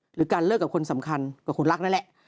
หรือการเลิกกับคนสำคัญก็คุณรักนั่นแหละ